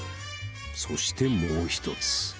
［そしてもう１つ］